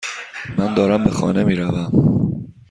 من دارم به خانه میروم.